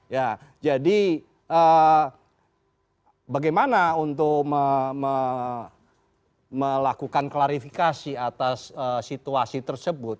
ya jadi bagaimana untuk melakukan klarifikasi atas situasi tersebut